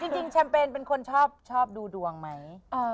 จริงจริงเป็นคนชอบชอบดูดวงไหม